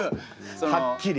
はっきり？